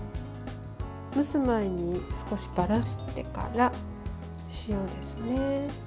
蒸す前に少しばらしてから塩ですね。